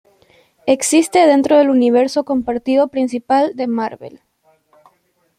Existe dentro del universo compartido principal de Marvel.